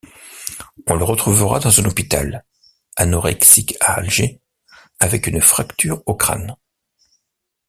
On le retrouvera dans un hôpital anorexique à Alger, avec une fracture au crâne.